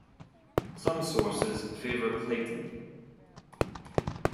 Some sources favour Clayton.